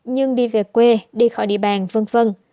nhưng đi về quê đi khỏi địa bàn v v